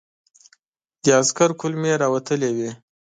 د عسکر کولمې را وتلې وې.